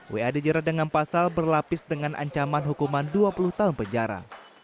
wa dijerat dengan pasal berlapis dengan ancaman hukuman dua puluh tahun penjara